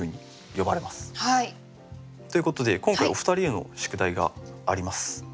ということで今回お二人への宿題があります。